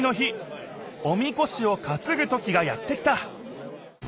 おみこしをかつぐときがやって来た。